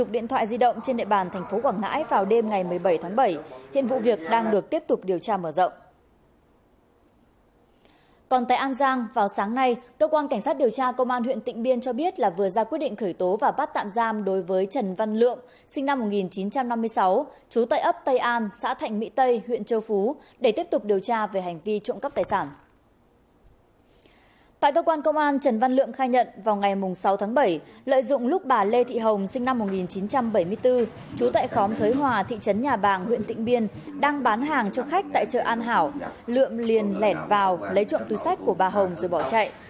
lợi dụng lúc bà lê thị hồng sinh năm một nghìn chín trăm bảy mươi bốn chú tại khóm thới hòa thị trấn nhà bàng huyện tịnh biên đang bán hàng cho khách tại chợ an hảo lượm liền lẻn vào lấy chuộng túi sách của bà hồng rồi bỏ chạy